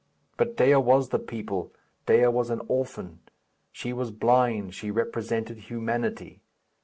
But Dea was the people. Dea was an orphan. She was blind; she represented humanity.